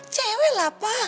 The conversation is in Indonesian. cewek lah pa